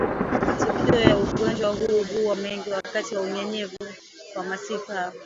Matukio ya ugonjwa huu huwa mengi wakati wa unyevunyevu na masika